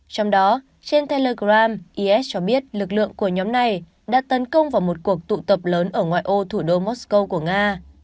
trong đó trên telegram is cho biết lực lượng của nhóm này đã tấn công vào một cuộc tụ tập lớn ở ngoại ô thủ đô mosco của nga